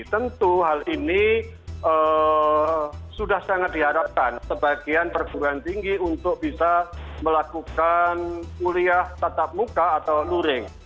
tentu hal ini sudah sangat diharapkan sebagian perguruan tinggi untuk bisa melakukan kuliah tatap muka atau luring